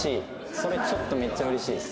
それちょっとめっちゃ嬉しいです。